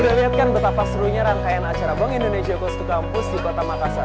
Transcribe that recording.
kita lihat kan betapa serunya rangkaian acara bank indonesia cost to campus di kota makassar